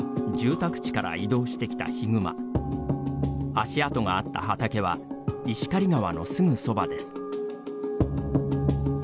足跡があった畑は石狩川のすぐそばです。